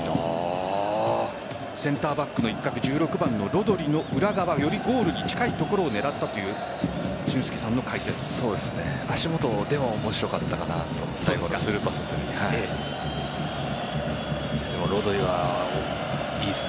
センターバックの一角１６番のロドリの裏側よりゴールに近い所を狙ったという足元でも面白かったかなと思います。